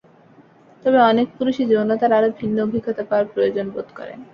তবে অনেক পুরুষই যৌনতার আরও ভিন্ন অভিজ্ঞতা পাওয়ার প্রয়োজন বোধ করেন।